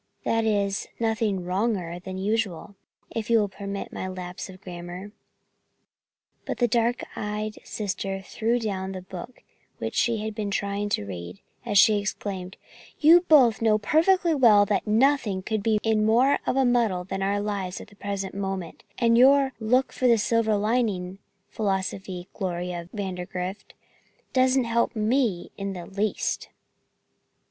That is, nothing 'wronger' than usual, if you will permit my lapse of grammar." But the dark eyed sister threw down the book which she had been trying to read, as she exclaimed, "You both know perfectly well than nothing could be in more of a muddle than our lives are at the present moment and your 'look for the silver lining,' philosophy, Gloria Vandergrift, doesn't help me in the least."